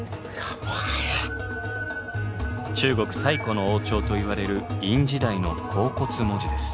中国最古の王朝といわれる殷時代の甲骨文字です。